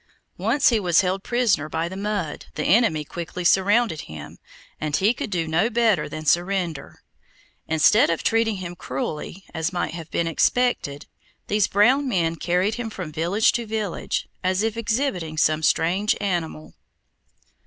Once he was held prisoner by the mud, the enemy quickly surrounded him, and he could do no better than surrender. Instead of treating him cruelly, as might have been expected, these brown men carried him from village to village, as if exhibiting some strange animal.